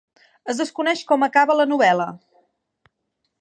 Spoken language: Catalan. Es desconeix com acaba la novel·la.